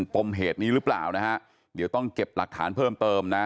ปมเหตุนี้หรือเปล่านะฮะเดี๋ยวต้องเก็บหลักฐานเพิ่มเติมนะ